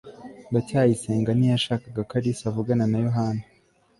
ndacyayisenga ntiyashakaga ko alice avugana na yohana